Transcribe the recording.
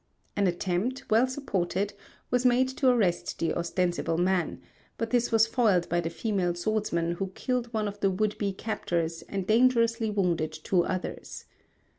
An attempt, well supported, was made to arrest the ostensible man; but this was foiled by the female swordsman who killed one of the would be captors and dangerously wounded two others.